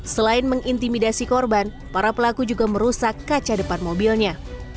selain mengintimidasi korban para pelaku juga merusak kaca depan mobilnya